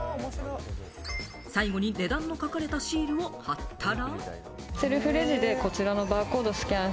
最後に値段の書かれたシールを貼ったら。